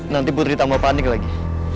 nanti putri tambah panik lagi